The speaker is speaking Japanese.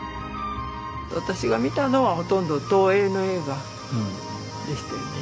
私が見たのはほとんど東映の映画でしたよね。